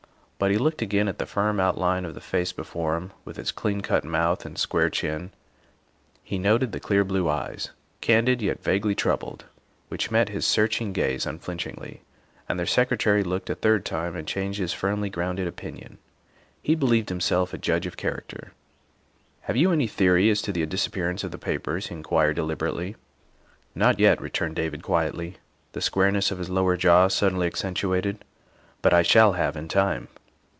But he looked again at the firm outline of the face before him, with its clean cut mouth and square chin; he noted the clear blue eyes, candid yet vaguely troubled, which met his searching gaze unflinchingly, and the Secretary looked a third time and changed his firmly grounded opinion. He believed himself a judge of character. '' Have you any theory as to the disappearance of the papers?" he inquired deliberately. '' Not yet, '' returned David quietly, the squareness of his lower jaw suddenly accentuated, " but I shall have in time."